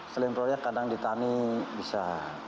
selain proyek kadang ditani bisa